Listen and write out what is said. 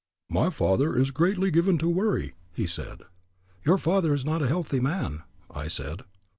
"My father is greatly given to worry," he said. "Your father is not a healthy man," I said.